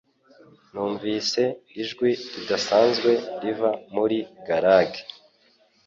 Numvise ijwi ridasanzwe riva muri garage.